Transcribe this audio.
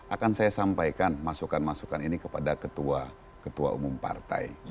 akan saya sampaikan masukan masukan ini kepada ketua umum partai